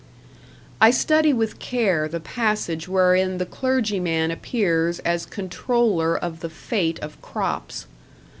I study with care the passage wherein the clergyman appears as controller of the fate of crops.